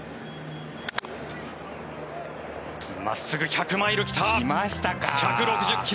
真っすぐ、１００マイル来た。